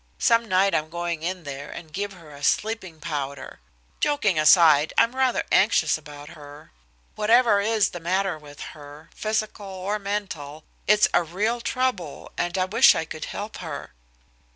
Some night I'm going in there and give her a sleeping powder. Joking aside, I'm rather anxious about her. Whatever is the matter with her, physical or mental, it's a real trouble, and I wish I could help her."